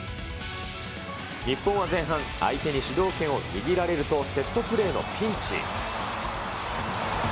日本は前半、相手に主導権を握られると、セットプレーのピンチ。